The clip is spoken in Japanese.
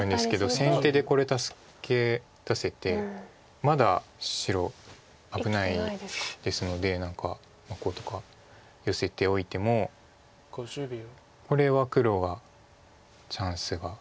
先手でこれ助け出せてまだ白危ないですので何かこうとかヨセておいてもこれは黒がチャンスが。